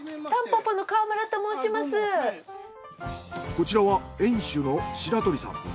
こちらは園主の白鳥さん。